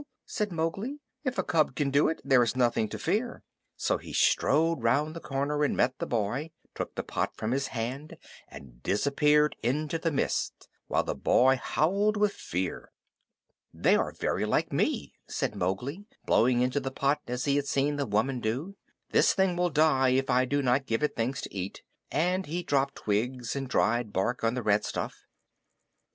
said Mowgli. "If a cub can do it, there is nothing to fear." So he strode round the corner and met the boy, took the pot from his hand, and disappeared into the mist while the boy howled with fear. "They are very like me," said Mowgli, blowing into the pot as he had seen the woman do. "This thing will die if I do not give it things to eat"; and he dropped twigs and dried bark on the red stuff.